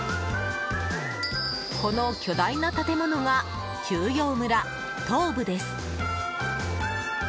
この巨大な建物が休養村とうぶです。